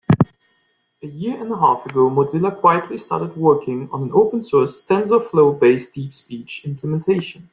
A year and a half ago, Mozilla quietly started working on an open source, TensorFlow-based DeepSpeech implementation.